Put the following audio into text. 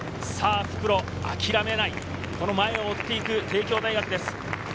さぁ復路、諦めない、前を追っていく帝京大学です。